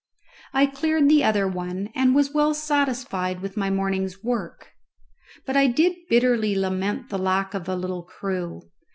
I cleared the other one and was well satisfied with my morning's work. But I did bitterly lament the lack of a little crew.